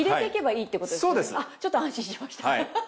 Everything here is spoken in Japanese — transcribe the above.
ちょっと安心しましたハハハ。